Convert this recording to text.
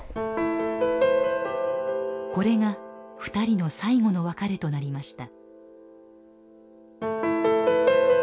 これが２人の最後の別れとなりました。